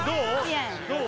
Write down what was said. どう？